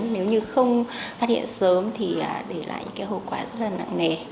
nếu như không phát hiện sớm thì để lại những hậu quả rất là nặng nề